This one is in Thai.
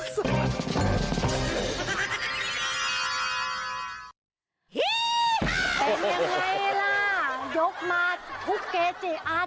สะบัดข่าวเด็กเอ้ย